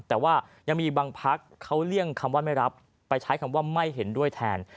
แต่ว่ายังมีบางพักเขาเลี่ยงคำว่าไม่รับไปใช้คำว่าไม่เห็นด้วยแทน